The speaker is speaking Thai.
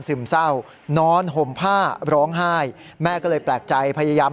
ซึมเศร้านอนห่มผ้าร้องไห้แม่ก็เลยแปลกใจพยายาม